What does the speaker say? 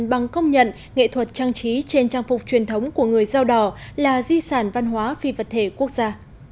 bằng công nhận nghệ thuật trang trí trên trang phục truyền thống của người dao đỏ là di sản văn hóa phi vật thể quốc gia